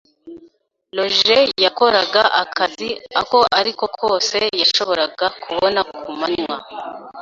Roger yakoraga akazi ako ari ko kose yashoboraga kubona ku manywa.